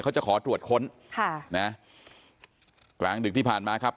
เขาจะขอตรวจค้นค่ะนะกลางดึกที่ผ่านมาครับ